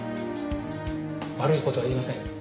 悪い事は言いません。